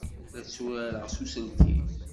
La tturareɣ s uselkim.